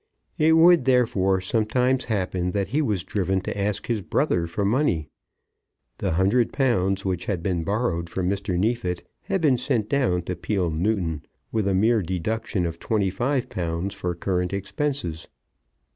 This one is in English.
It would therefore sometimes happen that he was driven to ask his brother for money. The hundred pounds which had been borrowed from Mr. Neefit had been sent down to Peele Newton with a mere deduction of £25 for current expenses.